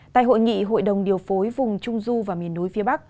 tại hội nghị hội đồng điều phối vùng trung du và miền núi phía bắc